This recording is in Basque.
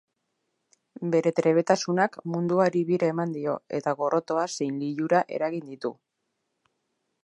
Bere trebetasunak munduari bira eman dio eta gorrotoa zein lilura eragin ditu.